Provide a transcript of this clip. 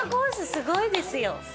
すごいですよ。